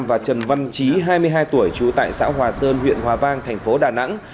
và trần văn trí hai mươi hai tuổi trú tại xã hòa sơn huyện hòa vang thành phố đà nẵng